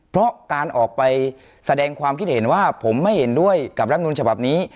เพราะการออกไปแสดงความคิดเห็นว่าผมไม่เห็นด้วยกับรัฐมนุนฉบับนี้